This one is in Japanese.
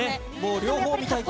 両方見たいけど。